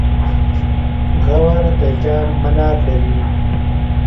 غور د جام منار لري